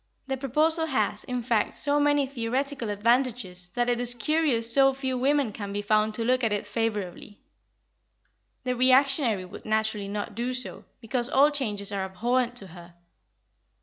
The proposal has, in fact, so many theoretical advantages that it is curious so few women can be found to look at it favourably. The reactionary would naturally not do so, because all changes are abhorrent to her.